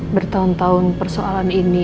bertahun tahun persoalan ini